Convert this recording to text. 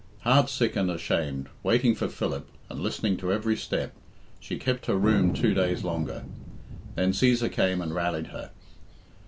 Heart sick and ashamed, waiting for Philip, and listening to every step, she kept her room two days longer. Then Cæsar came and rallied her.